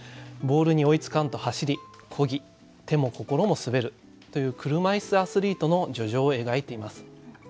ボールに追いつかんと走り漕ぎ手も心も滑るという車いすアスリートの叙情を描いています。